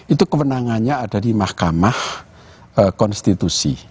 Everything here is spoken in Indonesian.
itu kewenangannya ada di mahkamah konstitusi